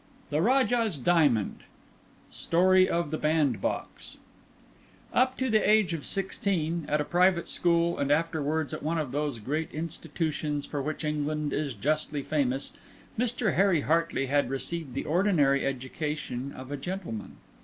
THE RAJAH'S DIAMOND STORY OF THE BANDBOX Up to the age of sixteen, at a private school and afterwards at one of those great institutions for which England is justly famous, Mr. Harry Hartley had received the ordinary education of a gentleman.